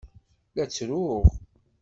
La ttruɣ.